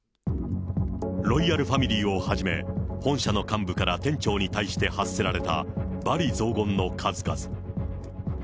ロイヤルファミリーをはじめ、本社の幹部から店長に対して発せられた罵詈雑言の数々。